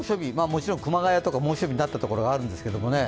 もちろん熊谷とか猛暑日になった所もあるんですけどね。